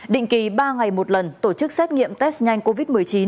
định kỳ ba ngày một lần tổ chức xét nghiệm test nhanh covid một mươi chín